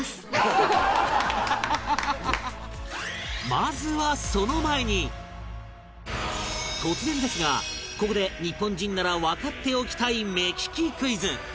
まずは突然ですがここで日本人ならわかっておきたい目利きクイズ